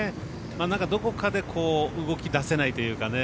なんかどこかで動き出せないというかね。